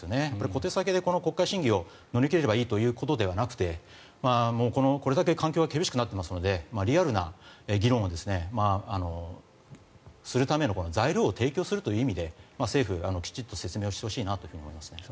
小手先で国会審議を乗り切ればいいということではなくてこれだけ環境が厳しくなっていますのでリアルな議論をするための材料を提供するという意味で政府、きちんと説明をしてほしいなと思いますね。